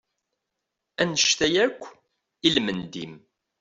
Annect-a yark, ilmend-im!